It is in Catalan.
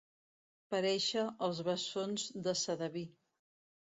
Parèixer els bessons de Sedaví.